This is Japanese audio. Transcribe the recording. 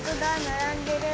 ならんでる。